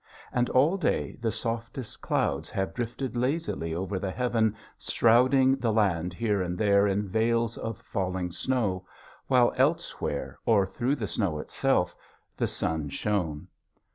And all day the softest clouds have drifted lazily over the heaven shrouding the land here and there in veils of falling snow, while elsewhere or through the snow itself the sun shone.